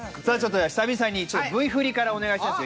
久々にＶＴＲふりからお願いします。